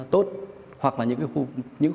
tốt hoặc là những